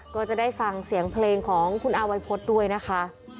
ก็จะได้ฟังเสียงเพลงของคุณอาวัยพฤษด้วยนะคะ